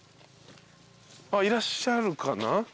あっいらっしゃるかな？